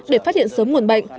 để phát hiện sớm nguồn bệnh